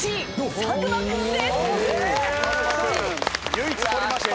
唯一取りました。